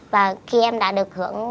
và khi em đã được hưởng